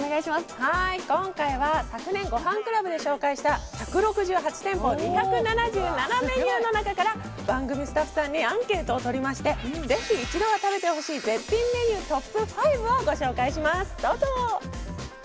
はい今回は昨年ごはんクラブで紹介した１６８店舗２７７メニューの中から番組スタッフさんにアンケートをとりましてぜひ一度は食べてほしい絶品メニューＴＯＰ５をご紹介しますどうぞ！